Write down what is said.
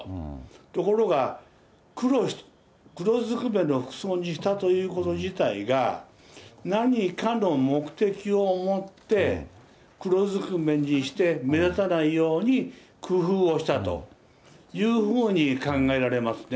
ところが、黒ずくめの服装にしたということ自体が、何かの目的を持って、黒ずくめにして、目立たないように工夫をしたというふうに考えられますね。